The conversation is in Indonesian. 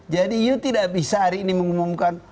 jadi you tidak bisa hari ini mengumumkan